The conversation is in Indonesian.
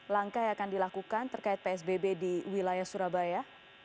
langkah yang akan dilakukan terkait psbb di wilayah surabaya